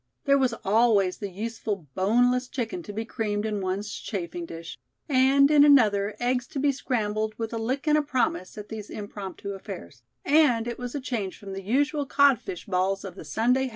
There was always the useful boneless chicken to be creamed in one's chafing dish; and in another, eggs to be scrambled with a lick and a promise, at these impromptu affairs; and it was a change from the usual codfish balls of the Sunday house breakfast.